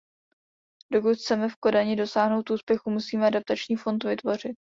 Pokud chceme v Kodani dosáhnout úspěchu, musíme adaptační fond vytvořit.